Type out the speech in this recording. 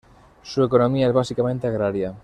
Su economía es básicamente agraria.